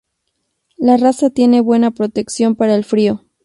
La raza tiene buena protección para el frío.